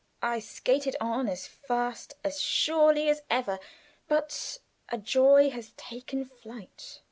I skated on, as fast, as surely as ever, but, "A joy has taken flight."